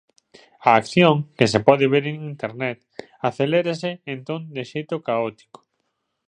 A acción, que se pode ver en Internet, acelérase entón de xeito caótico.